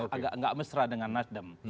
ini agak tidak mesra dengan nasdem